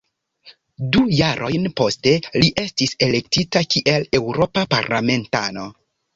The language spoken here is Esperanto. Du jarojn poste, li estis elektita kiel eŭropa parlamentano.